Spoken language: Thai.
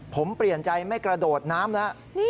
ผมเปลี่ยนใจไม่กระโดดน้ำแล้ว